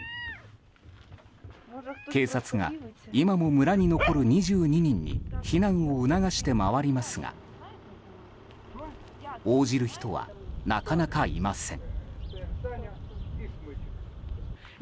警察が今も村に残る２２人に避難を促して回りますが応じる人は、なかなかいません。